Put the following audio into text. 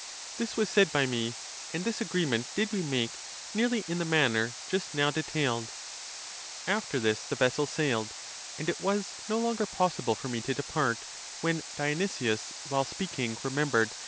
This was said (by me), and this agreement did we make nearly in the manner just now detailed. After this the vessels sailed, and it was no longer possible for me to depart; when Dionysius, 'while speaking, remem bered!